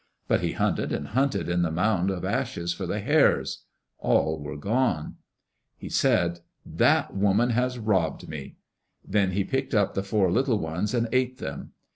But he hunted and hunted in the mound of ashes for the hares. All were gone. He said, "That woman has robbed me." Then he picked up the four little ones and ate them.